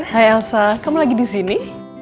hai elsa kamu lagi disini